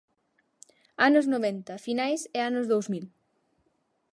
Anos noventa, finais, e anos dous mil.